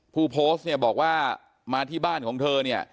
ผู้โพสต์เนี่ยบอกว่ามาที่บ้านของเธอเนี่ย